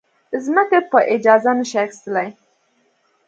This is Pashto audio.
ځمکې په اجاره نه شي اخیستلی.